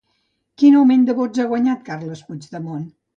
Quin augment de vots ha guanyat Carles Puigdemont?